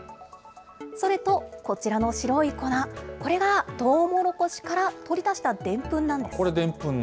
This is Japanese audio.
それとこちらの白い粉、これがトウモロコシから取り出したでんぷんなんです。